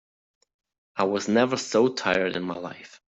I was never so tired in my life.